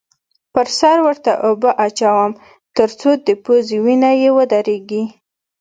پر سر ورته اوبه اچوم؛ تر څو د پوزې وینه یې ودرېږې.